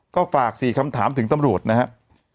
ก็ฝาก๔คำถามถึงตำรวจนะครับ